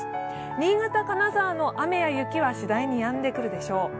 新潟、金澤の雨や雪は次第にやんでくるでしょう。